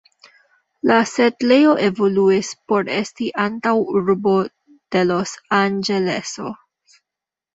La setlejo evoluis por esti antaŭurbo de Los-Anĝeleso.